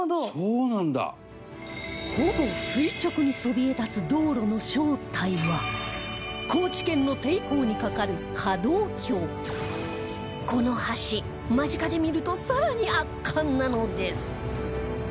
ほぼ垂直にそびえ立つ道路の正体は高知県のこの橋間近で見ると更に圧巻なのです